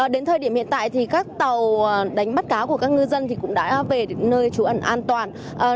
đến thời điểm hiện tại thì các tàu đánh bắt cá của các ngư dân cũng đã về đến nơi trú ẩn an toàn